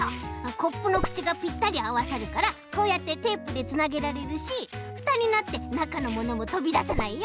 コップのくちがぴったりあわさるからこうやってテープでつなげられるしフタになってなかのものもとびださないよ。